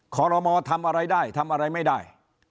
ขอรมอทำอะไรได้ทำอะไรไม่ได้